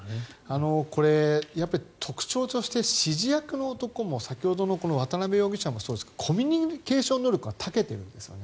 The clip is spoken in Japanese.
これ、特徴として指示役の男も先ほどの渡邉容疑者もそうですがコミュニケーション能力が長けてるんですよね。